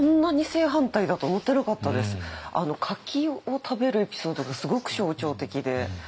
柿を食べるエピソードがすごく象徴的で。